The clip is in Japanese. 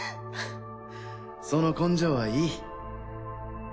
フッその根性はいい。